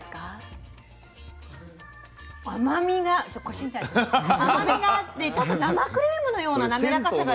甘みがあってちょっと生クリームのような滑らかさがある。